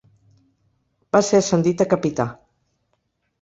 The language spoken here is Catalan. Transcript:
Va ser ascendit a capità.